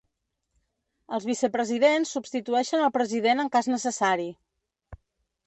Els vicepresidents substitueixen el president en cas necessari.